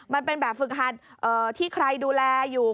มันเป็นแบบฝึกหัดที่ใครดูแลอยู่